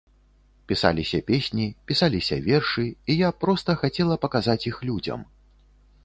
Пісаліся песні, пісаліся вершы, і я проста хацела паказаць іх людзям.